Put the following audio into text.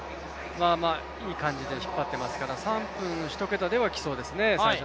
まあまあいい感じで引っ張っていますから、３分１０秒ぐらいできそうですね。